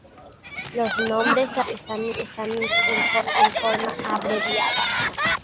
Los nombres sagrados están escritos en forma abreviada.